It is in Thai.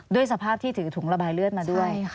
ด้วยสภาพที่ถือถุงระบายเลือดมาด้วย